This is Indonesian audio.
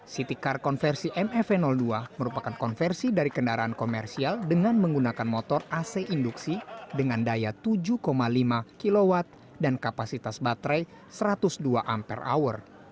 city car konversi mev dua merupakan konversi dari kendaraan komersial dengan menggunakan motor ac induksi dengan daya tujuh lima kw dan kapasitas baterai satu ratus dua ampere hour